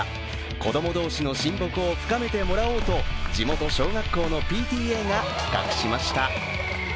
子供同士の親睦を深めてもらおうと地元小学校のＰＴＡが企画しました。